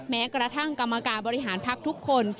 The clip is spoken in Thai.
แม้กระทั่งกรรมการบริหารพักทุกคน